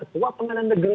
ketua pengadilan negeri